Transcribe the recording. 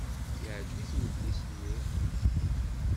Yeɛjeb-it udlis-nni.